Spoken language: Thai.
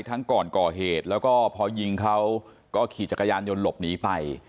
ก่อนก่อเหตุแล้วก็พอยิงเขาก็ขี่จักรยานยนต์หลบหนีไป